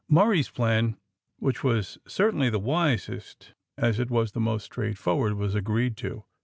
Murray's plan, which was certainly the wisest, as it was the most straightforward, was agreed to.